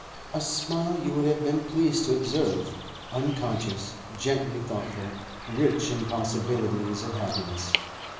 A smile you would have been pleased to observe—unconscious, gently thoughtful, rich in possibilities of happiness.